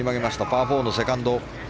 パー４のセカンド。